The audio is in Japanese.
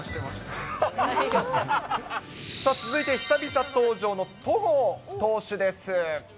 さあ、続いて久々登場の戸郷投手です。